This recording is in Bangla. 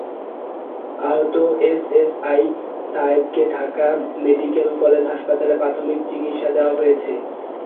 আহত এএসআই তায়েবকে ঢাকা মেডিকেল কলেজ হাসপাতালে প্রাথমিক চিকিত্সা দেওয়া হয়েছে।